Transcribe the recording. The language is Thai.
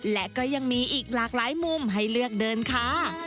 และก็ยังมีอีกหลากหลายมุมให้เลือกเดินค่ะ